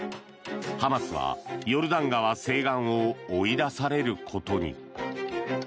ハマスはヨルダン川西岸を追い出されることに。